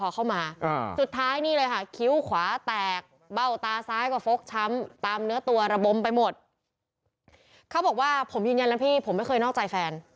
เขาบอกว่าผมยืนยันแล้วพี่ผมไม่เคยนอกใจแฟน